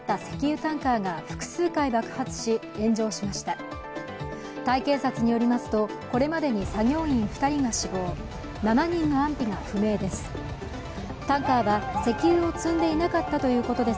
タイ警察によりますとこれまでに作業員２人が死亡、７人の安否が不明です。